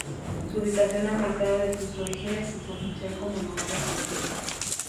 Su ubicación ha marcado desde sus orígenes su potencial como lugar defensivo.